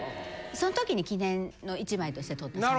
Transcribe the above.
その時に記念の１枚として撮った写真です